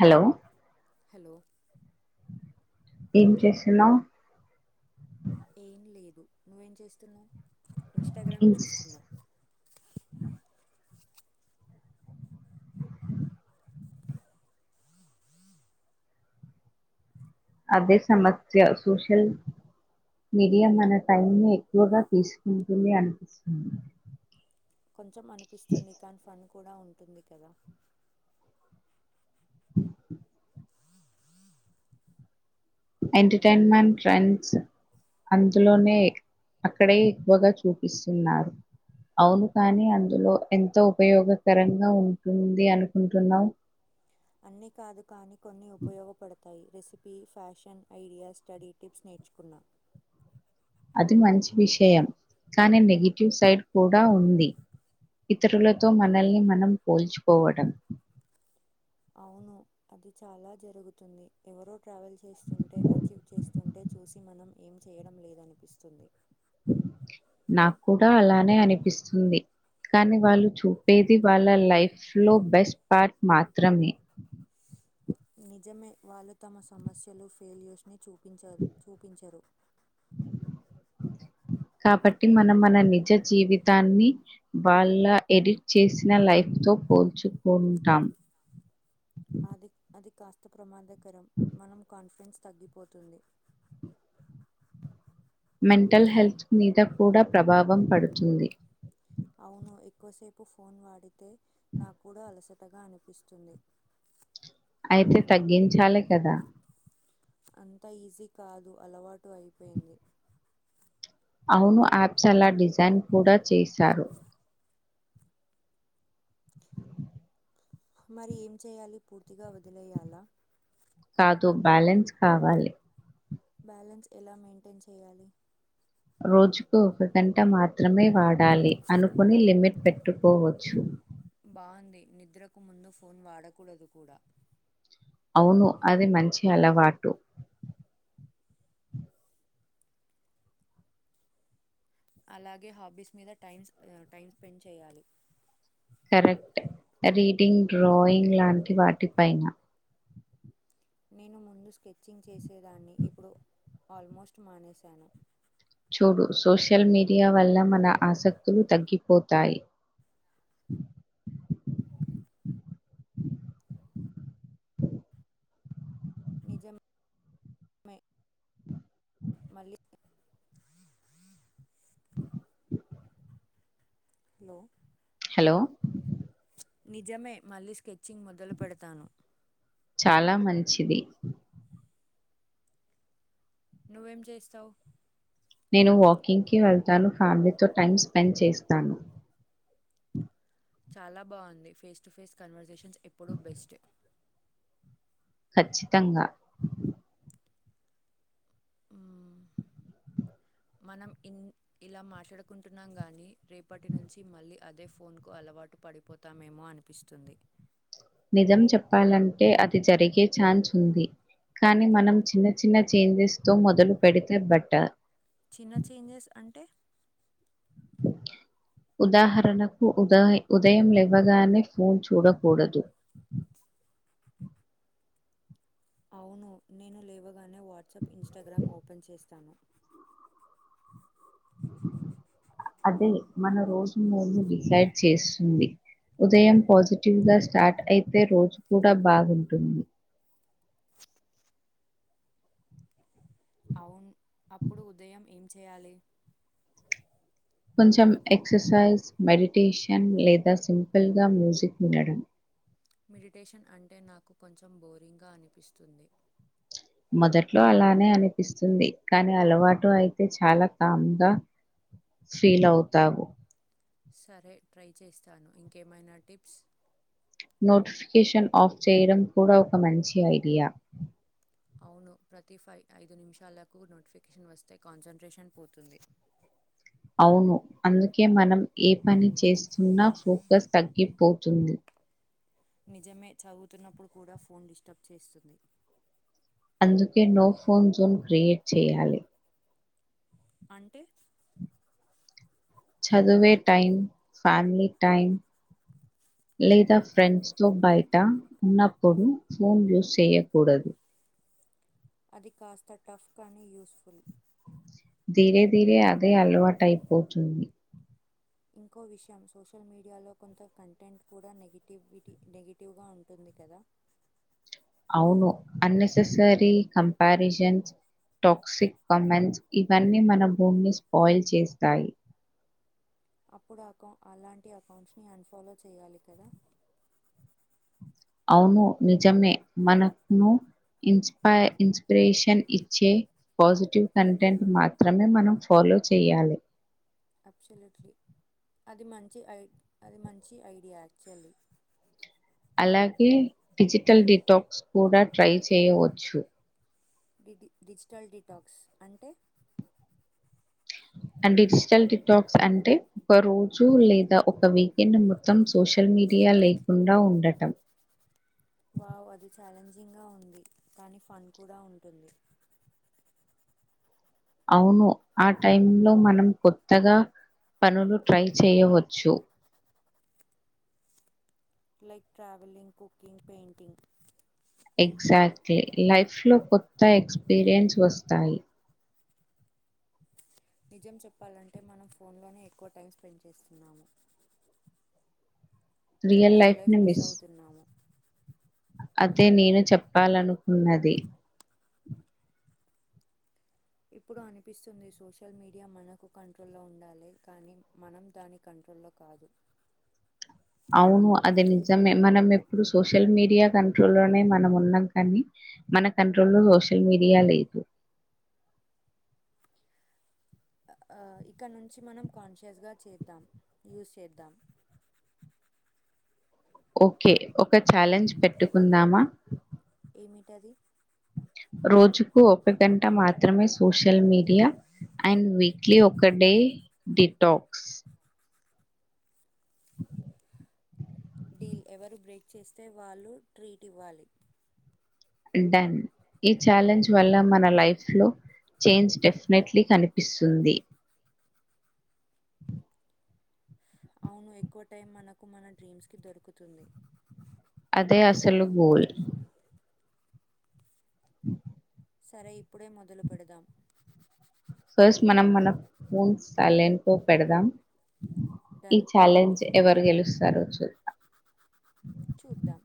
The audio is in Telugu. హలో హలో ఏం చేస్తున్నావ్ ఏం లేదు నువ్వేం చేస్తున్నావ్ ఇన్స్టాగ్రామ్ ఇన్స్ చూస్తున్నా అదే సమస్య సోషల్ మీడియా మన టైం ని ఎక్కువగా తీసుకుంటుంది అనిపిస్తుంది కొంచెం అనిపిస్తుంది కానీ ఫన్ కూడా ఉంటుంది కదా ఎంటర్టైన్మెంట్ ట్రెండ్స్ అందులోనే అక్కడే ఎక్కువగా చూపిస్తున్నారు అవును కానీ అందులో ఎంతో ఉపయోగకరంగా ఉంటుంది అనుకుంటున్నావ్ అన్నీ కాదు కాని కొన్ని ఉపయోగపడతాయి recipe fashion idea study tips నేర్చుకున్నా అది మంచి విషయం కానీ నెగిటివ్ సైడ్ కూడా ఉంది ఇతరులతో మనల్ని మనం పోల్చుకోవటం అవును అది చాలా జరుగుతుంది. ఎవరో ట్రావెల్ చేస్తుంటే అచీవ్ చేస్తుంటే చూసి మనం ఏం చేయడం లేదనిపిస్తుంది. నా కూడా అలానే అనిపిస్తుంది కానీ వాళ్ళు చూపేది వాళ్ళ లైఫ్లో బెస్ట్ పార్ట్ మాత్రమే నిజమే వాళ్ళు తమ సమస్యలు ఫెయిల్యూర్స్ ని చూప్ చూపించ చూపించరు కాబట్టి మనం మన నిజ జీవితాన్ని వాళ్ళ ఎడిట్ చేసిన లైఫ్తో పోల్చుకుంటాం అది అది కాస్త ప్రమాద కరం మనం కాన్ఫిడెన్స్ తగ్గిపోతుంది మెంటల్ హెల్త్ మీద కూడా ప్రభావం పడుతుంది అవును ఎక్కువసేపు ఫోన్ వాడితే నాకు కూడా అలసట గా అనిపిస్తుంది అయితే తగ్గించాలి కదా అంతా ఈజీ కాదు అలవాటు అయిపోయింది అవును యాప్స్ అలా డిజైన్ కూడా చేశారు మరి ఏం చేయాలి పూర్తిగా వదిలేయాలా కాదు బ్యాలెన్స్ కావాలి బ్యాలన్స్ ఎలా మెయింటైన్ చేయాలి రోజుకు ఒక గంట మాత్రమే వాడాలి అనుకుని లిమిట్ పెట్టుకోవచ్చు బాగుంది నిద్రకు ముందు ఫోన్ వాడకూడదు కూడా అవును అది మంచి అలవాటు అలాగే హాబీస్ మీద టై టైం స్పెండ్ చేయాలి కరెక్ట్ రీడింగ్ డ్రాయింగ్ లాంటి వాటి పైన నేను ముందు స్కెచింగ్ చేసేదాన్ని ఇప్పుడు ఆల్మోస్ట్ మానేశాను చూడు సోషల్ మీడియా వల్ల మన ఆసక్తులు తగ్గిపోతాయి నిజమే మళ్ళీ హలో హలో నిజమే మళ్ళీ స్కెచ్చింగ్ మొదలు పెడతాను చాలా మంచిది నువ్వేం చేస్తావు నేను వాకింగ్కిి వెళ్తాను ఫ్యామిలీతో టైమ్ స్పెండ్ చేస్తాను చాలా బాగుంది ఫేస్ టు ఫేస్ కన్వర్సేషన్ ఎప్పుడు బెస్ట్ ఖచ్చితంగా మనం ఇలా మాట్లాడుకుంటున్నాం గానీ రేపటి నుంచి మళ్ళీ అదే ఫోన్కు అలవాటు పడిపోతామేమో అనిపిస్తుంది నిజం చెప్పాలంటే అది జరిగే ఛాన్స్ ఉంది కానీ మనం చిన్న చిన్న చేంజెస్ తో మొదలు పెడితే బట్ట చిన్న చేంజెస్ అంటే ఉదాహరణకు ఉదయం లేవ్వగానే ఫోన్ చూడకూడదు అవును నేను లేవ గానే వాట్సాప్ ఇన్స్టాగ్రామ్ ఓపెన్ చేస్తాను అదే మన రోజు మందు డిసైడ్ చేస్తుంది ఉదయం పాజిటివ్గా స్టార్ట్ అయితే రోజు కూడా బాగుంటుంది అవును అప్పుడు ఉదయం ఏం చేయాలి కొంచెం ఎక్ససైజ్ మెడిటేషన్ లేదా సింపుల్గా మ్యూజిక్ వినడం మెడిటేషన్ అంటే నాకు కొంచెం బోరింగ్గా అనిపిస్తుంది మొదట్లో అలానే అనిపిస్తుంది కానీ అలవాటు అయితే చాలా కామ్ గా ఫీల్ అవుతావు సరే ట్రై చేస్తాను ఇంకేమైనా టిప్స్ నోటిఫికేషన్ ఆఫ్ చేయడం కూడా ఒక మంచి ఐడియా అవును ప్రతి ఫై ఐదు నిమిషాలకు నోటిఫికేషన్ వస్తే కాన్సన్ట్రేషన్ పోతుంది అవును అందుకే మనం ఏ పని చేస్తున్నా ఫోకస్ తగ్గిపోతుంది నిజమే చదువుతున్నప్పుడు కూడా ఫోన్ డిస్టర్బ్ చేస్తుంది అందుకే నో ఫోన్ జోన్ క్రియేట్ చేయాలి అంటే చదివే టైం ఫ్యామిలీ టైం లేదా ఫ్రెండ్స్ తో బయట ఉన్నప్పుడు ఫోన్ యూజ్ చేయకూడదు అది కాస్త టఫ్ కాగానీ [unintelligible] యూస్్ఫుల్ ీరేధీరే అదే అలవాటు అయిపోతుంది ఇంకో విషయం సోషల్ మీడియాలో కొంత కంటెంట్ కూడా నెగిటివిటీ నెగిటివ్గా ఉంటుంది కదా అవును అన్నెససరీ కంపారిజన్స్ టాక్సిక్ కమెంట్స్ ఇవన్నీ మన భూమిని స్పాయిల్ చేస్తాయి అప్పుడు అకౌ అలాంటి అకౌంట్స్ని అన్ఫాలో చేయాలి కదా అవును నిజమే మనకును ఇస్ ఇన్స్పిరేషన్ ఇచ్చే పాజిటివ్ కంటెంట్ మాత్రమే మనం ఫాలో చేయాలి అబ్సల్యూట్లీ అది మంచి ఐ అది మంచి ఐడియా యాక్చువల్లీ అలాగే డిజిటల్ డిటాక్స్ కూడా ట్రై చేయవచ్చు డిజి డిజిటల్ డిటాక్స్ అంటే అంటే డిజిటల్ డిటాక్క్స్ అంటే ఒక రోజు లేదా ఒక వీకెండ్ మొత్తం సోషల్ మీడియా లేకుండా ఉండటం వావ్ అది ఛాలెంజింగ్గా ఉంది కానీ ఫన్ కూడా ఉంటుంది అవును ఆ టైమ్ లో మనం కొత్తగా పనులు ట్రై చేయవచ్చు like travelling cooking painting exactly life లో కొత్త ఎక్స్పీరియన్స్ వస్తాయి నిజం చెప్పాలంటే మనం ఫోన్లోనే ఎక్కువ టైం స్పెండ్ చేస్తున్నాము రియల్ లైఫ్ మిస్ అవుతున్నాము అదే నేను చెప్పాలనుకున్నది ఇప్పుడు అనిపిస్తుంది సోషల్ మీడియా మనకు కంట్రోల్లో ఉండాలి కానీ మనం దాని కంట్రోల్లో కాదు అవును అది నిజమే మనం ఎప్పుడు సోషల్ మీడియా కంట్రోల్ లోనే మనం ఉన్నాం కానీ మన కంట్రోల్లో సోషల్ మీడియా లేదు అ ఇక్కడ నుంచి మనం కాన్షియస్ గ చేద్దాం యూస్ చేద్దాం ఓకే ఒక ఛాలెంజ్ పెట్టుకుందామా ఏమిటది రోజుకు ఒక గంట మాత్రమే సోషల్ మీడియా అండ్ వీక్లీ ఒక డే డి టాక్స్ [unintelligible] డీల్ ఎవరు బ్రేక్ చేస్తే వాళ్ళు ట్రీట్ ఇవ్వాలి డన్ ఈ ఛాలెంజ్ వల్ల మన లైఫ్ లో చేంజ్ డెఫినెట్లీ కనిపిస్తుంది అవును ఎక్కువ టైం మనకు మన డ్రీమ్స్ కి దొరుకుతుంది అదే అసలు గోల్ [unintelligible] సరే ఇప్పుడే మొదలు పెడదాం ఫస్ట్ మనం మన ఫోన్ సైలెంట్ లొ పెడదాం ఈ డన్ చాలెంజ్ ఎవరు గెలుస్తారో చూద్దామ్ చూద్దాం